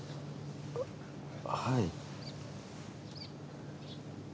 はい。